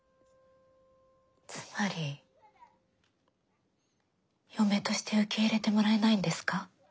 つまり嫁として受け入れてもらえないんですか？